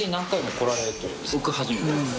初めてです。